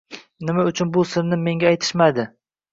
Nima uchun bu sirni menga aytishmaydi